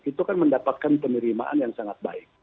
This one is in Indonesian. itu kan mendapatkan penerimaan yang sangat baik